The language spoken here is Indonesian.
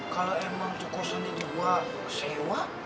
kalau emang tuh kosannya dibawa sewa